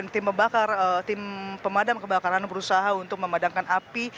tim pemadam kebakaran berusaha untuk memadamkan api